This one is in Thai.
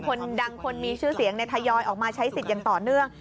คนดังคนมีชื่อเสียงทยอยออกมาใช้สิทธิ์อย่างต่อเนื่อง